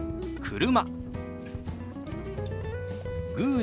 「車」。